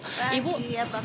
selamat pagi ya bapak